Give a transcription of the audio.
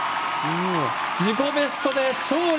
自己ベストで勝利！